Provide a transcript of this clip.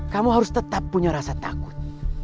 kamu harus tetap punya rasa takut